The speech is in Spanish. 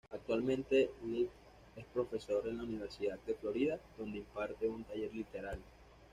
Actualmente Leavitt es profesor en la Universidad de Florida, donde imparte un taller literario.